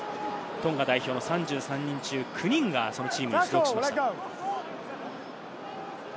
トンガ代表の３３人中９人がそのチームに所属しています。